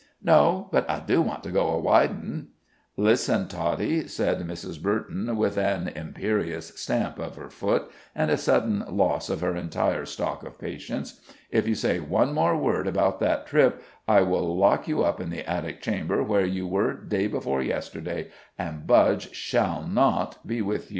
"No; but I do want to go a widin'." "Listen Toddie," said Mrs. Burton, with an imperious stamp of her foot, and a sudden loss of her entire stock of patience. "If you say one more word about that trip, I will lock you up in the attic chamber, where you were day before yesterday, and Budge shall not be with you."